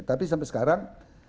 tapi sampai sekarang